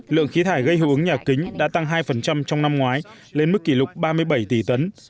lượng khí thải gây hữu ứng nhà kính đã tăng hai trong năm ngoái lên mức kỷ lục ba mươi bảy tỷ tấn